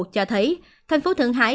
cho thấy thành phố thượng hải